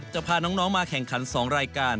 จะพาน้องมาแข่งขัน๒รายการ